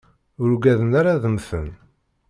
Ur uggaden ara ad mten.